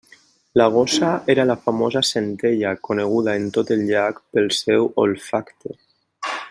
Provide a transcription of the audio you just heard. La gossa era la famosa Centella, coneguda en tot el llac pel seu olfacte.